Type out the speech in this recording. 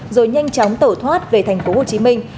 rồi nhanh chóng tẩu thoát về thành phố hồ chí minh